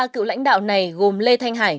ba cựu lãnh đạo này gồm lê thanh hàn